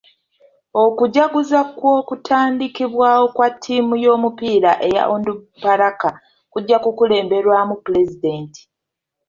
Okujaguza kw'okutandikibwawo kwa ttiimu y'omupiira eya Onduparaka kujja kukulemberwamu pulezidenti.